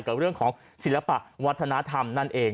กับเรื่องของศิลปะวัฒนธรรมนั่นเอง